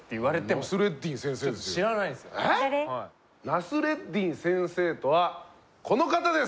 ナスレッディン先生とはこの方です。